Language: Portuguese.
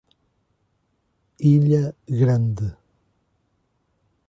Ilha Grande